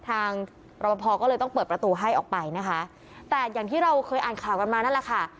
รอปภก็เลยต้องเปิดประตูให้ออกไปนะคะแต่อย่างที่เราเคยอ่านข่าวกันมานั่นแหละค่ะ